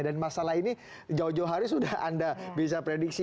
dan masalah ini jauh jauh hari sudah anda bisa prediksi